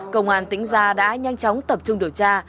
công an tỉnh gia đã nhanh chóng tập trung điều tra